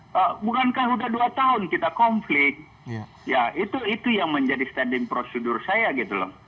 bukankah sudah dua tahun kita konflik ya itu yang menjadi prosedur saya gitu loh